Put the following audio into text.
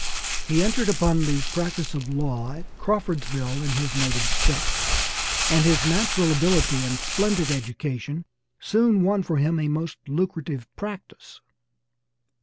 He entered upon the practice of law at Crawfordsville in his native State, and his natural ability and splendid education soon won for him a most lucrative practice.